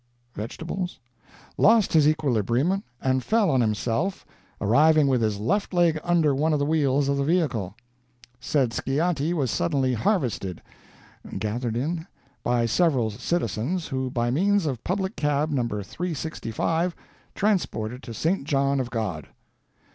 vegetables?), lost his equilibrium and fell on himself, arriving with his left leg under one of the wheels of the vehicle. "Said Sciatti was suddenly harvested (gathered in?) by several citizens, who by means of public cab No. 365 transported him to St. John of God."